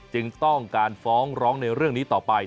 จึงต้องการฟ้องร้องในเรื่องนี้ต่อไป